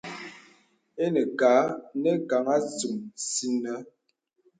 Ìnə kâ nə kan atûŋ sìnə.